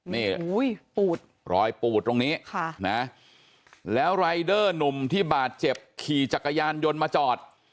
นี่ปูดรอยปูดตรงนี้แล้วรายเดอร์หนุ่มที่บาดเจ็บขี่จักรยานยนต์มาจอด